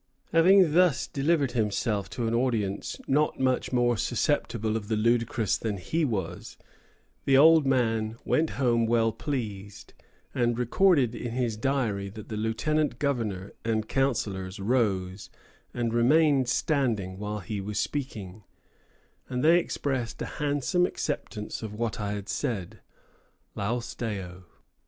Having thus delivered himself to an audience not much more susceptible of the ludicrous than he was, the old man went home well pleased, and recorded in his diary that the lieutenant governor and councillors rose and remained standing while he was speaking, "and they expressed a handsom Acceptance of what I had said; Laus Deo."